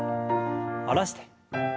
下ろして。